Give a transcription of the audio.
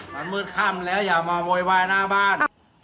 มันมืดค่ำแล้วอย่ามาโวยวายหน้าบ้าน